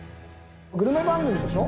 グルメ番組でしょ？